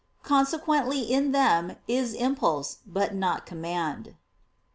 Consequently in them is impulse but not command.